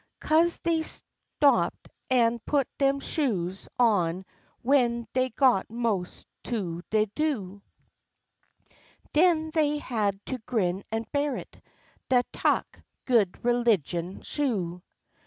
'Cose dey stopt an' put dem shoes on w'en dey got mos' to de do'; Den dey had to grin an' bear it; dat tuk good religion sho.